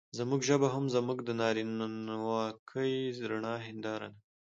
زموږ ژبه هم زموږ د نارينواکۍ رڼه هېنداره ده.